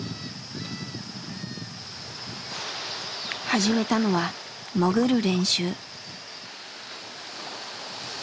始めたのは潜る練習。